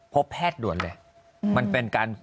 พบแพทย์มันเป็นการ